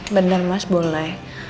bener mas boleh